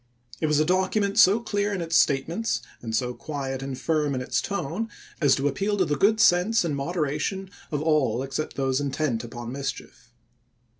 It was a document so clear in its im. ' statements and so quiet and firm in its tone as to appeal to the good sense and moderation of all except those intent upon mischief.